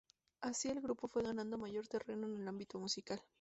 Así, el grupo fue ganando mayor terreno en el ámbito musical.